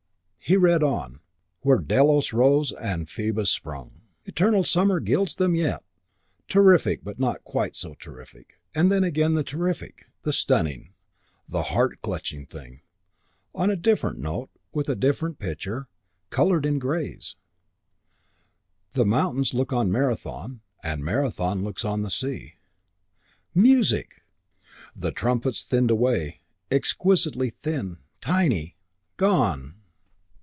He read on. "Where Delos rose and Phoebus sprung! Eternal Summer gilds them yet." Terrific, but not quite so terrific. And then again the terrific, the stunning, the heart clutching thing. On a different note, with a different picture, coloured in grays. The mountains look on Marathon And Marathon looks on the sea. Music! The trumpets thinned away, exquisitely thin, tiny, gone!